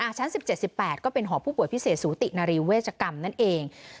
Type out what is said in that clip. ชั้น๑๗๑๘ก็เป็นหอผู้ป่วยพิเศษสูตินารีเวชกรรมนั่นเอง